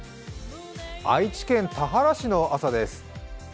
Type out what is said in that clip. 愛知県田原市の朝です。